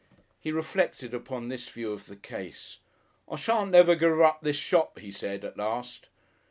He reflected upon this view of the case. "I shan't never give up this shop," he said at last.